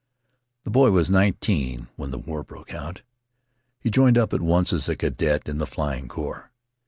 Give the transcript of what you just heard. "The boy was nineteen when the war broke out; he joined up at once as a cadet in the Flying Corps.